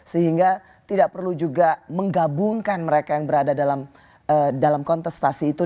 sehingga tidak perlu juga menggabungkan mereka yang berada dalam kontestasi itu